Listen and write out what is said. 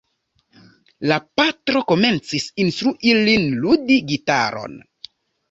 La patro komencis instrui lin ludi gitaron.